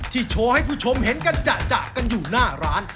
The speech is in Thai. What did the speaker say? โชว์ให้ผู้ชมเห็นกันจะกันอยู่หน้าร้าน